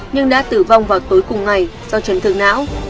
nhưng đã tử vong vào tối cùng ngày do chấn thương não